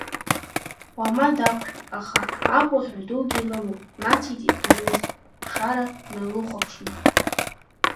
Уама дақәшәеит, аха агәаӷьра дугьы лымоуп, нациҵеит Рамиз, Шара дналыхәаԥшны.